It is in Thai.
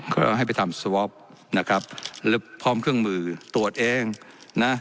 ก็ให้ไปทำสวอปนะครับแล้วพร้อมเครื่องมือตรวจเองนะ